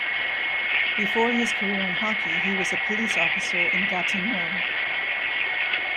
Before his career in hockey, he was a police officer in Gatineau.